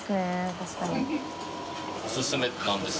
確かに。